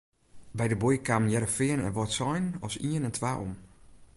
By de boei kamen Hearrenfean en Wâldsein as ien en twa om.